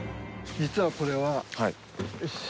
実はこれは。